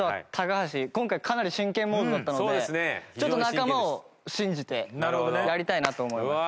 今回かなり真剣モードだったので仲間を信じてやりたいなと思います。